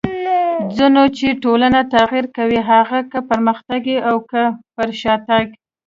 څونه چي ټولنه تغير کوي؛ هغه که پرمختګ يي او که پر شاتګ.